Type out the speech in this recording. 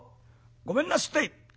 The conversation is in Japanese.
ごめんなすって」。